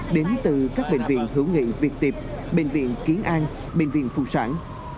đến từ các bệnh viện hữu nghị việt tiệp bệnh viện kiến an bệnh viện phụ sản